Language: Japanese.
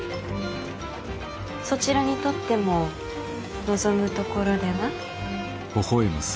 そちらにとっても望むところでは？